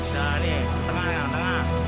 nah ini tengah